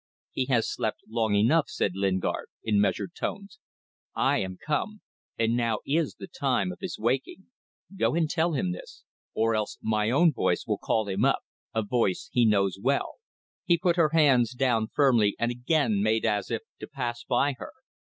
"He has slept long enough," said Lingard, in measured tones. "I am come and now is the time of his waking. Go and tell him this or else my own voice will call him up. A voice he knows well." He put her hands down firmly and again made as if to pass by her.